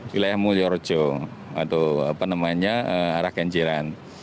wilayah muyorojo atau apa namanya arah kenjeran